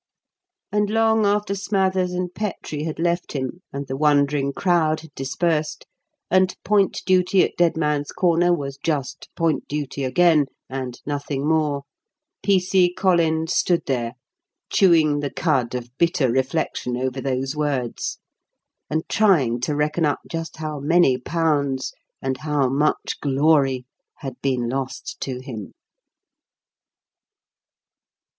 And long after Smathers and Petrie had left him, and the wondering crowd had dispersed, and point duty at "Dead Man's Corner" was just point duty again and nothing more, P.C. Collins stood there, chewing the cud of bitter reflection over those words, and trying to reckon up just how many pounds and how much glory had been lost to him.